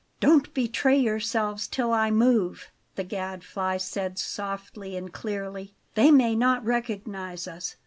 "Don't betray yourselves till I move," the Gadfly said softly and clearly. "They may not recognize us.